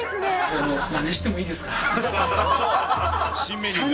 まねしてもいいですか？